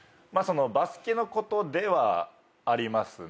バスケのことではありますね。